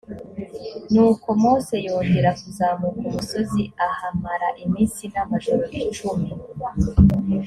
ni uko mose yongera kuzamuka umusozi ahamara iminsi n’amajoro icumi